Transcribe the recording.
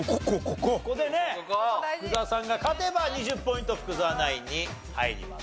ここでね福澤さんが勝てば２０ポイント福澤ナインに入ります。